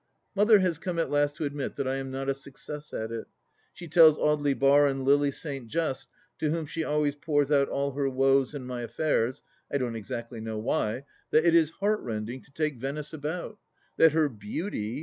Mother has come at last to admit that I am not a success at it. She tells Audely Bar and Lily St. Just (to whom she always pours out all her woes and my affairs ; I don't exactly know why) that it is heart rending to take Venice about ; that her beauty